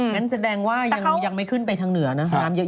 งั้นแสดงว่ายังไม่ขึ้นไปทางเหนือนะน้ำเยอะ